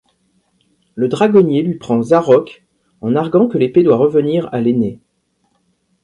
Le Dragonnier lui prend Zar'roc, en arguant que l'épée doit revenir à l'aîné.